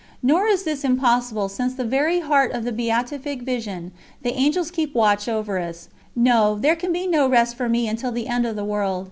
Nor is this impossible, since from the very heart of the Beatific Vision, the Angels keep watch over us. No, there can be no rest for me until the end of the world.